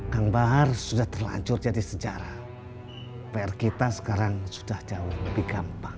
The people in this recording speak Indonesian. kang bahar sudah terlancur jadi sejarah pr kita sekarang sudah jauh lebih gampang